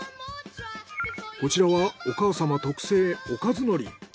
こちらはお母様特製おかず海苔。